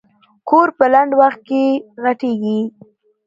کور په لنډ وخت کې غټېږي.